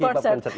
iya ada di sini